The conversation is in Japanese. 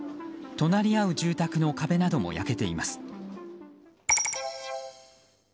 隣り合う住宅の壁なども焼けています。